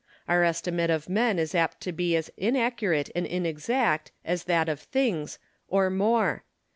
Our estimate of men is apt to be as inaccurate and inexact as that of things, or more.